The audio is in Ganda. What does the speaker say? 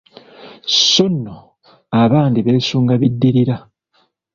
Sso nno abandi beesunga biddirira.